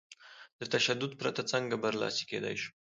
له تشدد پرته څنګه برلاسي کېدای شو؟